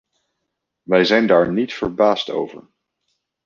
Wij zijn daar niet verbaasd over.